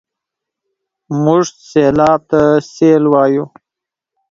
موږ سېلاب ته سېل وايو.